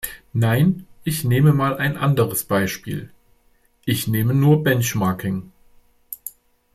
Nein, ich nehme mal ein anderes Beispiel, ich nehme nur benchmarking .